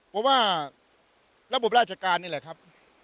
เพราะว่าระบบราชการนี่แหละครับ